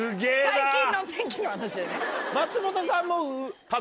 最近の天気の話でね。